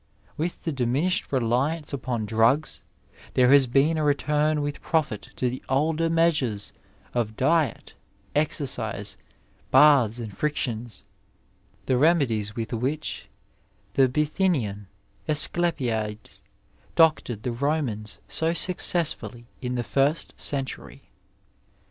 With the diminished reliance upon drugs, there has been a return with profit to the older measures of diet, exercise, baths, and frictions, the remedies with which the Bithynian Asclepiades doctored the Romans so successfully in the first century.